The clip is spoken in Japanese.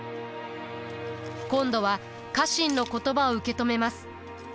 今度は家臣の言葉を受け止めます。